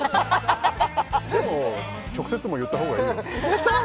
でも直接も言った方がいいよ